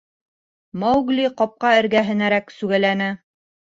Маугли ҡапҡа эргәһенәрәк сүгәләне.